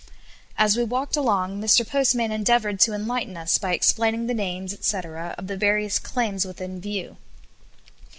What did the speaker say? As we walked along, Mr. Postman endeavored to enlighten us by explaining the names, &c., of the various claims within view.